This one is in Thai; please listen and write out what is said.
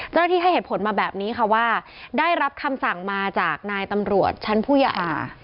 ให้เหตุผลมาแบบนี้ค่ะว่าได้รับคำสั่งมาจากนายตำรวจชั้นผู้ยาอ่า